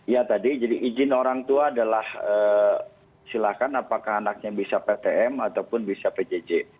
ya tadi jadi izin orang tua adalah silakan apakah anaknya bisa ptm ataupun bisa pjj